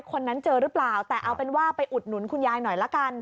คนนั้นเจอหรือเปล่าแต่เอาเป็นว่าไปอุดหนุนคุณยายหน่อยละกัน